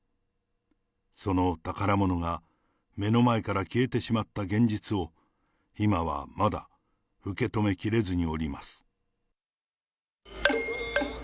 その宝物が目の前から消えてしまった現実を、今はまだ受け止めきれずにおります。